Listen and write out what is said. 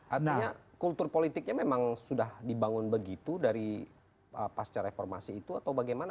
artinya kultur politiknya memang sudah dibangun begitu dari pasca reformasi itu atau bagaimana